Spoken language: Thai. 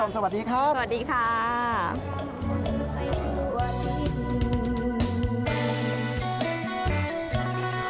สวัสดีค่ะ